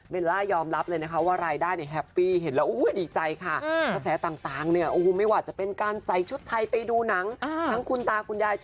เบลลล่ายอมรับเลยนะคะว่า